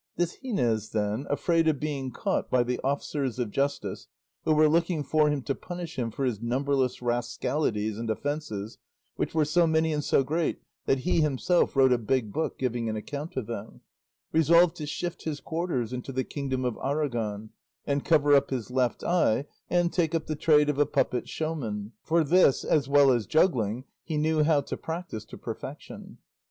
This Gines, then, afraid of being caught by the officers of justice, who were looking for him to punish him for his numberless rascalities and offences (which were so many and so great that he himself wrote a big book giving an account of them), resolved to shift his quarters into the kingdom of Aragon, and cover up his left eye, and take up the trade of a puppet showman; for this, as well as juggling, he knew how to practise to perfection.